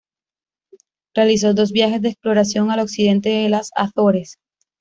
Realizó dos viajes de exploración al occidente de las Azores.